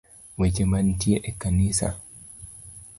Weche manitie e kanisa